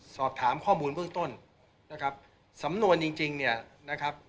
สอบถามข้อมูลเบื้องต้นนะครับสำนวนจริงจริงเนี่ยนะครับ